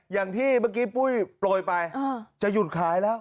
อย่างที่เมื่อกี้ปุ้ยโปรยไปจะหยุดขายแล้ว